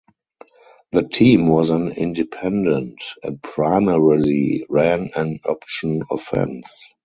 The team was an independent and primarily ran an option offense.